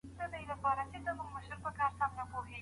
د ښوونځي ټولګي د دې مبارزې سنګرونه دي.